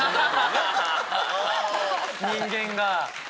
人間が！